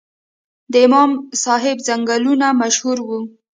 د امام صاحب ځنګلونه مشهور وو